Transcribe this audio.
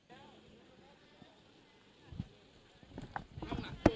สวัสดีทุกคน